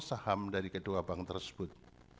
saham dari kedua bank tersebut